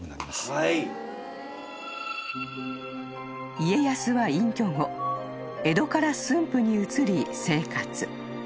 ［家康は隠居後江戸から駿府に移り生活］